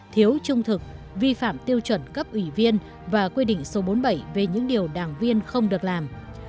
thiếu trung thực vi phạm tiêu chuẩn cấp ủy viên và quy định số bốn mươi bảy về những điều đảng viên không được làm